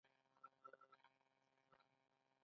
د نړۍ د اقتصاد انجن.